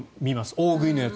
大食いのやつ。